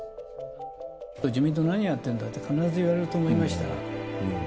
自民党、何やってるんだと必ず言われると思いました。